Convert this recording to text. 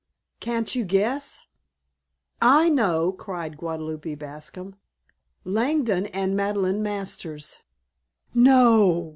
"Can't you guess?" "I know!" cried Guadalupe Bascom. "Langdon and Madeleine Masters." "No!